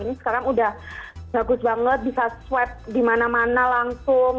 ini sekarang udah bagus banget bisa swipe dimana mana langsung